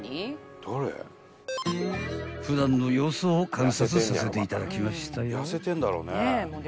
［普段の様子を観察させていただきましたよ］